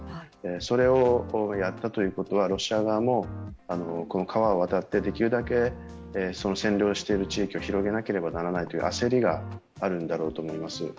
それをやったということはロシア側もこの川を渡ってできるだけ占領している地域を広げなければならないという焦りがあるんだろうと思います。